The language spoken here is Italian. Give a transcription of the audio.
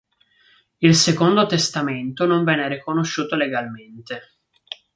Il secondo testamento non venne riconosciuto legalmente.